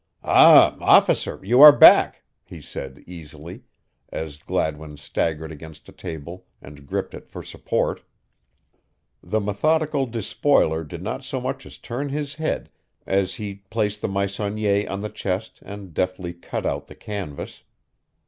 "Ah, Officer, you are back," he said easily, as Gladwin staggered against a table and gripped it for support. The methodical despoiler did not so much as turn his head as he placed the Meissonier on the chest and deftly cut out the canvas.